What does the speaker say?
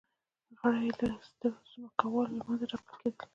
غړي یې له سترو ځمکوالو له منځه ټاکل کېدل